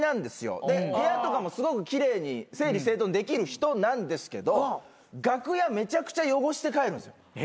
で部屋とかもすごく奇麗に整理整頓できる人なんですけど楽屋めちゃくちゃ汚して帰るんですよ。